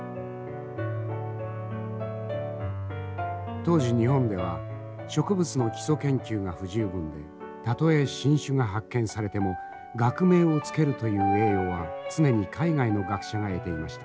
当時日本では植物の基礎研究が不十分でたとえ新種が発見されても学名を付けるという栄誉は常に海外の学者が得ていました。